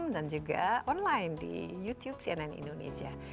dan juga online di youtube cnn indonesia